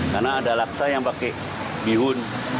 karena ada laksa yang pakai bihun